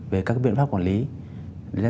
về các biện pháp quản lý